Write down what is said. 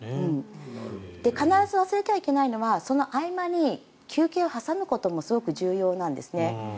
必ず忘れてはいけないのはその合間に休憩を挟むこともすごく重要なんですね。